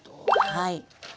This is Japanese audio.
はい。